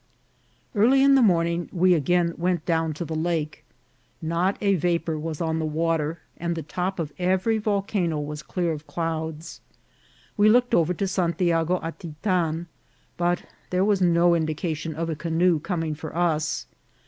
EARLY in the morning we again went down to the lake. Not a vapour was on the water, and the top of every volcano was clear of clouds. We looked over to Santiago Atitan, but there was no indication of a canoe coming for us.